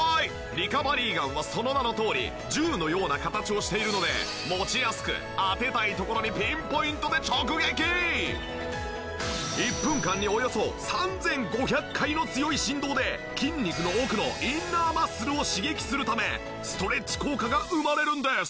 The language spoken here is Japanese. リカバリーガンはその名のとおり銃のような形をしているので持ちやすく１分間におよそ３５００回の強い振動で筋肉の奥のインナーマッスルを刺激するためストレッチ効果が生まれるんです！